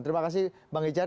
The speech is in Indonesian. terima kasih bang ican